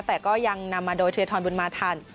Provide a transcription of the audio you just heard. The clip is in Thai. แต่ก็ยังนำมาโดยเทียทรบุญมาทัน